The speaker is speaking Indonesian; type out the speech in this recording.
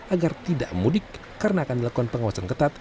agar tidak mudik karena akan dilakukan pengawasan ketat